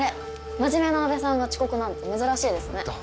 真面目な安部さんが遅刻なんて珍しいですね。